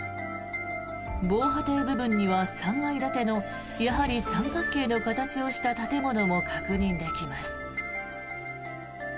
防波堤部分には３階建てのやはり三角形の形をした建物も確認できます。